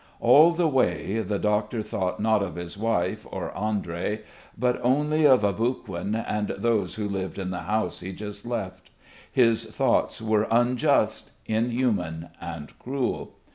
All the way the doctor thought not of his wife or Andrey, but only of Aboguin and those who lived in the house he just left. His thoughts were unjust, inhuman, and cruel.